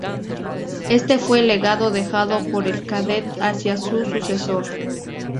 Este fue el legado dejado por el Kadett hacia su sucesor.